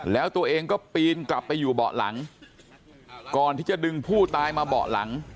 แล้วตัวเองก็ปีนกลับไปอยู่เบาะหลังก่อนที่จะดึงผู้ตายมาเบาะหลัง